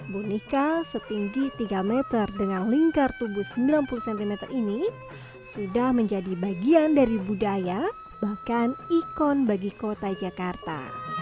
boneka setinggi tiga meter dengan lingkar tubuh sembilan puluh cm ini sudah menjadi bagian dari budaya bahkan ikon bagi kota jakarta